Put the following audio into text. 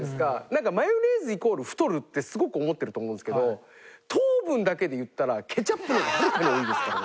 なんかマヨネーズイコール太るってすごく思ってると思うんですけど糖分だけで言ったらケチャップの方がはるかに多いですからね。